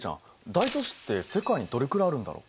大都市って世界にどれくらいあるんだろう？